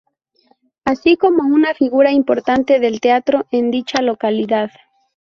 Así como una figura importante del teatro en dicha localidad.